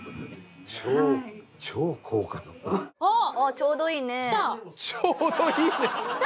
「ちょうどいいね」きた！